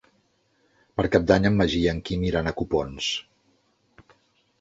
Per Cap d'Any en Magí i en Quim iran a Copons.